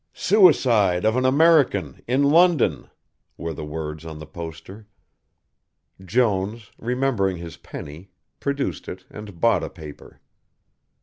"Suicide of an American in London!" were the words on the poster. Jones, remembering his penny, produced it and bought a paper.